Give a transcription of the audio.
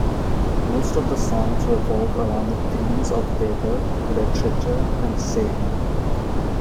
Most of the songs revolve around the themes of theater, literature, and Satan.